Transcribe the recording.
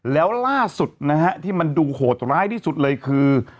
แล้วล่าสุดนะฮะที่มันดูโหดร้ายที่สุดเลยคือ